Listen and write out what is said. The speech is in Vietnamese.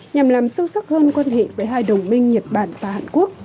nhằm làm sâu sắc hơn quan hệ với hai đồng minh nhật bản và hàn quốc